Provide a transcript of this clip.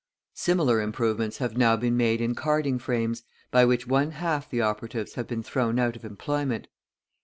Similar improvements have now been made in carding frames, by which one half the operatives have been thrown out of employment.